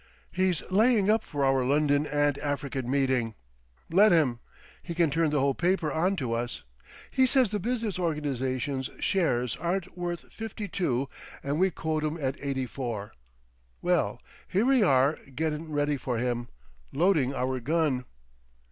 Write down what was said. He's laying up for our London and African meeting. Let him. He can turn the whole paper on to us. He says the Business Organisations shares aren't worth fifty two and we quote 'em at eighty four. Well, here we are gettin' ready for him—loading our gun."